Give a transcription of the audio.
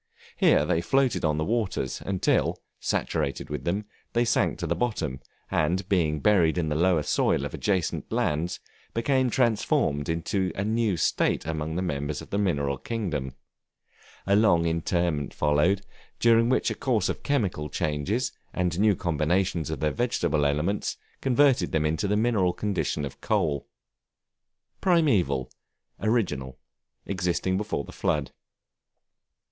Here they floated on the waters until, saturated with them, they sank to the bottom, and being buried in the lower soil of adjacent lands, became transformed into a new state among the members of the mineral kingdom. A long interment followed, during which a course of chemical changes, and new combinations of their vegetable elements, converted them to the mineral condition of coal. Primeval, original, existing before the flood.